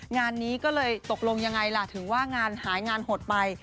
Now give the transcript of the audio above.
งานนี้ก็เลยตกลงยังไงล่ะถึงว่างานหายงานหดไป